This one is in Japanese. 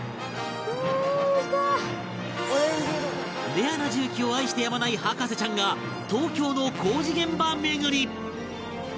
レアな重機を愛してやまない博士ちゃんが東京の工事現場巡り！